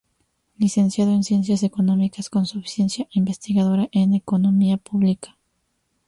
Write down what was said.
Licenciado en Ciencias Económicas, con suficiencia Investigadora en Economía Pública.